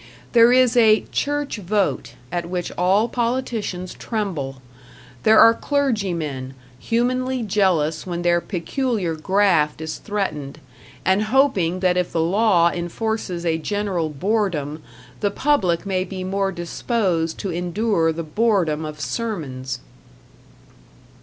There is a "church vote" at which all politicians tremble; there are clergymen, humanly jealous when their peculiar graft is threatened, and hoping that if the law enforces a general boredom, the public may be more disposed to endure the boredom of sermons.